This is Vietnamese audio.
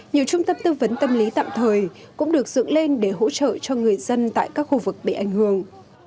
nhiều trung tâm tư vấn tâm lý tạm thời cũng được dựng lên để hỗ trợ cho người dân tại các khu vực bị ảnh hưởng